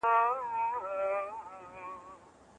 مېوه د انسان د عمر په هر پړاو کې بدن ته نوې انرژي ورکوي.